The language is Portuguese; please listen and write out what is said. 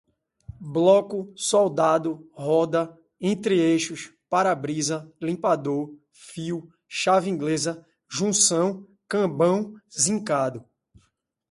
bloco, soldado, roda, entre-eixos, para-brisa, limpador, fio, chave inglesa, junção, cambão, zincado